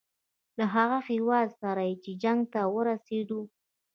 له هغه هیواد سره چې جنګ ته ورسېدو.